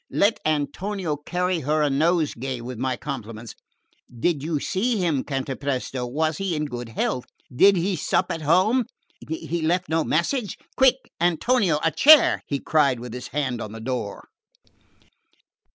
Let Antonio carry her a nosegay with my compliments. Did you see him Cantapresto? Was he in good health? Does he sup at home? He left no message? Quick, Antonio, a chair!" he cried with his hand on the door.